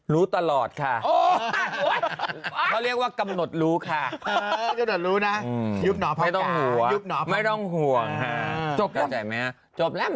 รู้ตลอดค่ะเขาเรียกว่ากำหนดรู้ค่ะไม่ต้องห่วงก็ได้มึง